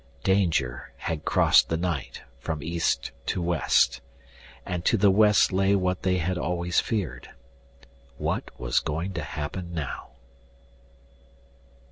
Danger had crossed the night, from east to west. And to the west lay what they had always feared. What was going to happen now?